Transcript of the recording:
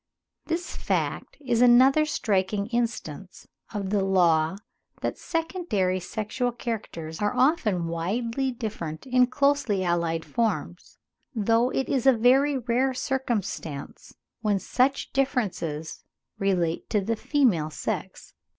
This fact is another striking instance of the law that secondary sexual characters are often widely different in closely allied forms, though it is a very rare circumstance when such differences relate to the female sex.